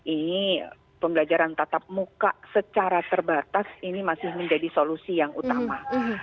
ini pembelajaran tatap muka secara terbatas ini masih menjadi solusi yang utama